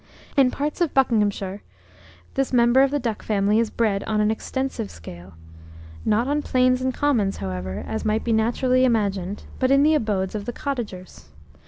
In parts of Buckinghamshire, this member of the duck family is bred on an extensive scale; not on plains and commons, however, as might be naturally imagined, but in the abodes of the cottagers.